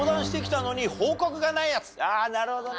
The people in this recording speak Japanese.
あなるほどな。